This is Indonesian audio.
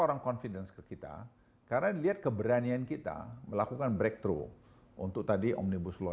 orang confidence ke kita karena dilihat keberanian kita melakukan breakthrough untuk tadi omnibus law